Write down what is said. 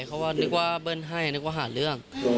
เขาก็นึกว่าเบิ้ลให้นึกว่าหาเรื่อง